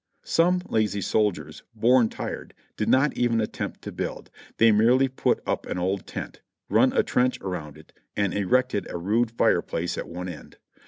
Some lazy soldiers, "born tired," did not even attempt to build, they merely put up an old tent, run a trench around it and erected a rude fire place at one end.